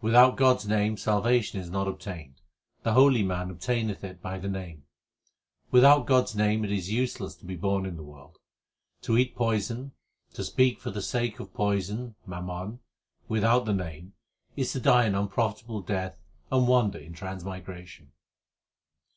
Without God s name salvation is not obtained ; the holy man obtaineth it by the Name. Without God s name it is useless to be born in the world. To eat poison, to speak for the sake of poison (mammon) without the Name is to die an unprofitable death and wander in transmigration.